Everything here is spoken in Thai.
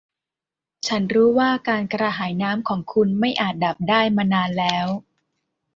ฉันรู้ว่าการกระหายน้ำของคุณไม่อาจดับได้มานานแล้ว